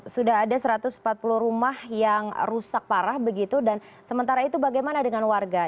sudah ada satu ratus empat puluh rumah yang rusak parah begitu dan sementara itu bagaimana dengan warga